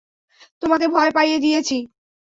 তোমাকে ভয় পাইয়ে দিয়েছি?